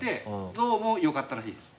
どうもよかったらしいです。